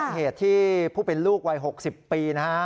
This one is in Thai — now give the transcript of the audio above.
เหตุที่ผู้เป็นลูกวัย๖๐ปีนะฮะ